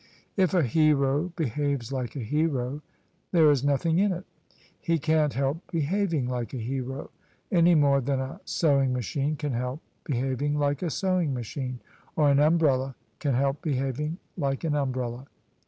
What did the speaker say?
If a hero behaves like a hero, there is nothing in it : he can't help behaving like a hero, any more than a sewing machine can help behaving like a sewing machine, or an umbrella can help behaving like an umbrella.